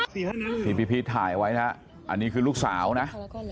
ที่พี่พีชถ่ายเอาไว้นะอันนี้คือลูกสาวนะ